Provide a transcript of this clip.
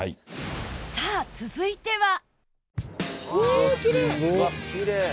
さあ続いては